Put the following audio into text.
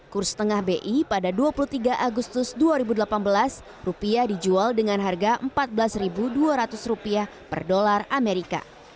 kurs tengah bi pada dua puluh tiga agustus dua ribu delapan belas rupiah dijual dengan harga rp empat belas dua ratus rupiah per dolar amerika